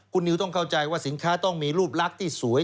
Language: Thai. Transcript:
คุณนิวต้องเข้าใจว่าสินค้าต้องมีรูปลักษณ์ที่สวย